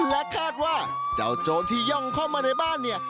และคาดว่าเจ้าโจรที่ย่องเข้ามาในบ้านเนี่ย